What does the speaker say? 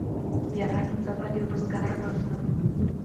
يارانو زه به له روزګاره راځم